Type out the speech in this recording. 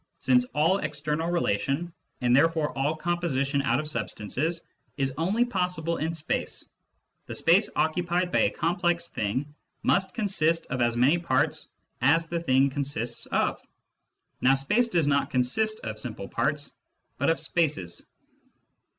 Since all external relation, and therefore all composition out of substances, is only possible in space, the space occupied by a complex thing must consist of as many parts as the thing consists of. Now space does not consist of simple parts, but of spaces."